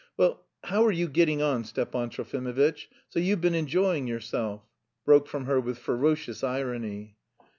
"Well, how are you getting on, Stepan Trofimovitch? So you've been enjoying yourself?" broke from her with ferocious irony.